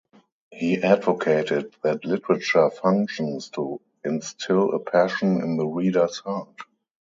He advocated that literature functions to instill a passion in the readers' heart.